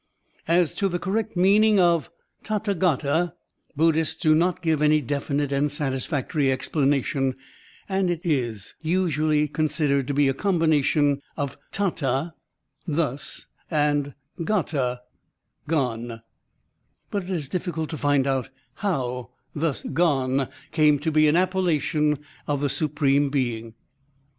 As to the correct meaning of Tath^gata, Buddhists do not give any definite and satisfactory explanation, and it is usually considered to be the combination of to^/t(i="thus" and gato="gone," but it is diffi cult to find out how "Thus Gone" came to be ^n appellation of the supreme being.